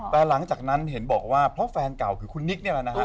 แต่หลังจากนั้นเห็นบอกว่าเพราะแฟนเก่าคือคุณนิกนี่แหละนะฮะ